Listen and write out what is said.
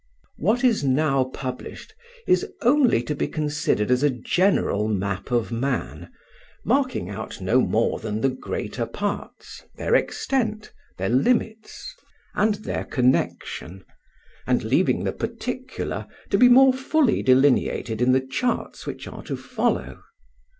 What is now published is only to be considered as a general Map of Man, marking out no more than the greater parts, their extent, their limits, and their connection, and leaving the particular to be more fully delineated in the charts which are to follow.